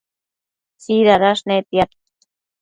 tsidadash nidtiad